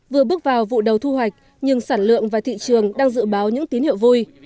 vừa bước vào vụ đầu thu hoạch nhưng sản lượng và thị trường đang dự báo những tín hiệu vui